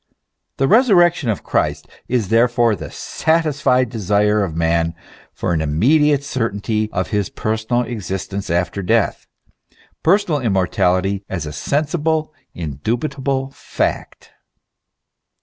The resurrec tion of Christ is therefore the satisfied desire of man for an immediate certainty of his personal existence after death, personal immortality as a sensible, indubitable fact.